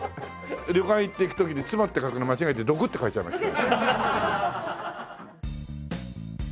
旅館行く時に「妻」って書くの間違えて「毒」って書いちゃいました。